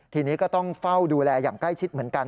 ทีนี้ก็ต้องเฝ้าดูแลอย่างใกล้ชิดเหมือนกัน